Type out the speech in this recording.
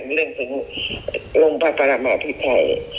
เรื่องถึงลงพระปรมาภิไทย